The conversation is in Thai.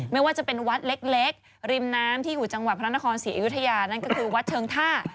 ไม่ว่าจะเป็นวัดเล็กริมน้ำที่อยู่จังหวัดพระนครศรีอยุธยานั่นก็คือวัดเชิงท่า